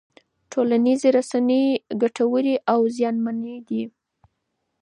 ټولنیزې رسنۍ ګټورې او زیانمنې دي.